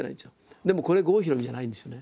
でもこれは郷ひろみじゃないんですよね。